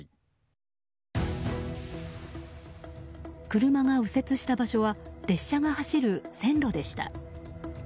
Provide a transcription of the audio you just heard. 車が右折した場所は列車が走る線路でした。